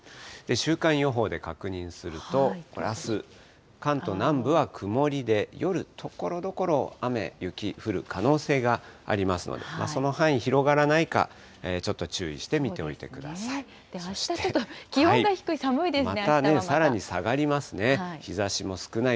週間予報で確認すると、これ、あす、関東南部は曇りで、夜、ところどころ雨、雪、降る可能性がありますので、その範囲広がらないか、ちょっと注意して見ておいてください。